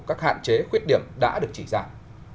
các hạn chế khuyết điểm đã được chỉ dạng